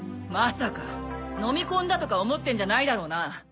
まさか飲み込んだとか思ってんじゃないだろうな！？